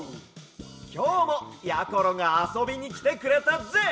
きょうもやころがあそびにきてくれたぜ！